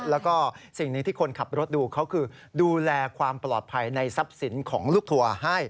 แล้วก็สิ่งนี้ที่คนขับรถดูเขาคือดูแลความปลอดภัยในทรัพย์สินของลูกทัวร์ให้